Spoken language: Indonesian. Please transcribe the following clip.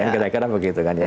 kadang kadang begitu kan ya